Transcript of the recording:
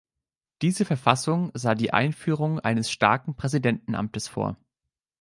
Diese Verfassung sah die Einführung eines starken Präsidentenamtes vor.